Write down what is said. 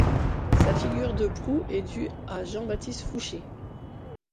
Sa figure de proue est due à Jean-Baptiste Foucher.